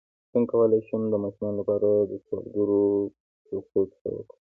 څنګه کولی شم د ماشومانو لپاره د سوالګرو فرښتو کیسه وکړم